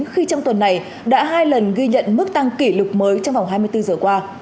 khi trong tuần này đã hai lần ghi nhận mức tăng kỷ lục mới trong vòng hai mươi bốn giờ qua